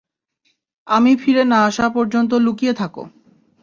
আমি ফিরে না আসা পর্যন্ত লুকিয়ে থাকো!